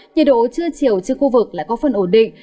nhiệt độ trưa chiều trên khu vực lại có phần ổn định